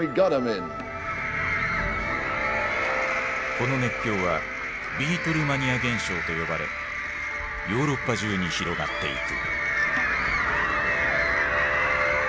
この熱狂は「ビートルマニア現象」と呼ばれヨーロッパ中に広がっていく。